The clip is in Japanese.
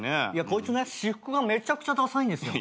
こいつね私服がめちゃくちゃダサいんですよ。